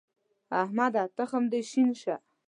احمده! تخم دې شين شه.